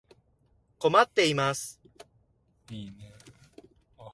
困っています。